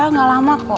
gak lama kok